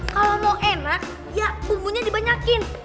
kalau mau enak ya bumbunya dibanyakin